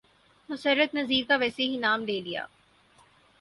مسرت نذیر کا ویسے ہی نام لے لیا۔